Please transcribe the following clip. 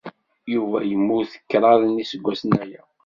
Yuba yemmut kraḍ n yiseggasen aya.